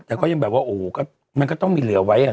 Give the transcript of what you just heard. แต่ก็ยังแบบว่าโอ้โหก็มันก็ต้องมีเหลือไว้